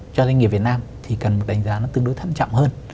cho doanh nghiệp việt nam thì cần một đánh giá nó tương đối thân trọng hơn